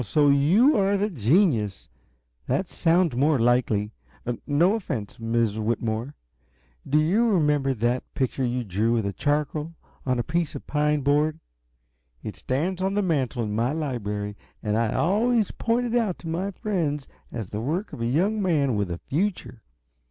So you are the genius that sounds more likely. No offense, Miss Whitmore. Do you remember that picture you drew with charcoal on a piece of pine board? It stands on the mantel in my library, and I always point it out to my friends as the work of a young man with a future.